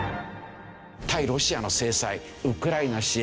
対ロシアの制裁ウクライナ支援をどうするか。